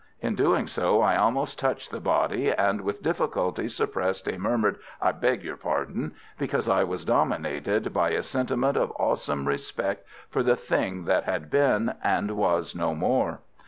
In doing so I almost touched the body, and with difficulty suppressed a murmured, "I beg your pardon," because I was dominated by a sentiment of awesome respect for the thing that had been, and was no more.